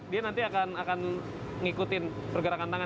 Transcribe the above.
dia nanti akan ngikutin pergerakan tangan